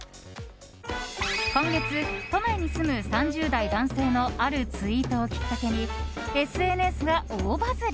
今月、都内に住む３０代男性のあるツイートをきっかけにＳＮＳが大バズり。